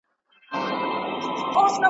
ګواکي ټول بد عادتونه ورک سول ولاړه!.